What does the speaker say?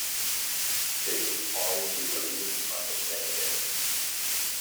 They would all be released on the same date.